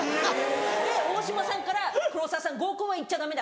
で大島さんから「黒沢さん合コンは行っちゃダメだ。